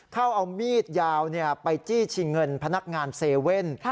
เขาเอามีดยาวไปจี้ชิงเงินพนักงาน๗๑๑